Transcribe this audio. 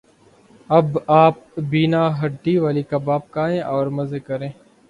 اب آپ بینا ہڈی والا کباب کھائیں اور مزے کریں